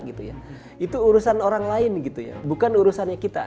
itu urusan orang lain bukan urusannya kita